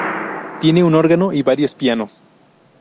Tiene un órgano y varios pianos.